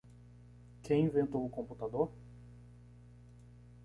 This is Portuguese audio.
Quem inventou o computador?